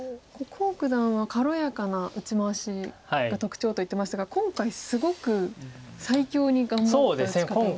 黄九段は軽やかな打ち回しが特徴と言ってましたが今回すごく最強に頑張った打ち方を。